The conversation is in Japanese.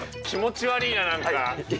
気持ち悪いな、なんか。